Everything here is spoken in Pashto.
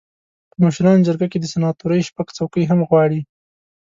په مشرانو جرګه کې د سناتورۍ شپږ څوکۍ هم غواړي.